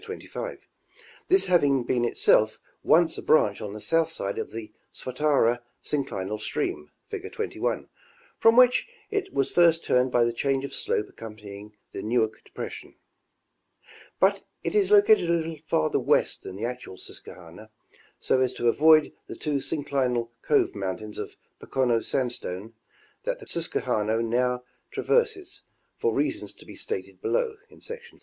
25, this having been itself once a branch on the south side of the Swatara synclinal stream, fig. 21, from which it was first turned by the change of slope accompanying the Newark depression ; but it is located a little farther west than the actual Susquehanna, so as to avoid the two synclinal cove mountains of Pocono sandstone that the Susquehanna now traverses, for reasons to be stated below (section 35).